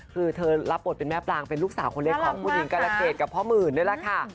คือเธอรับประวัติเป็นแม่ปลางเป็นลูกสาวคนเล็กของผู้หญิงกาลเกรดกับพ่อหมื่นด้วยล่ะค่ะ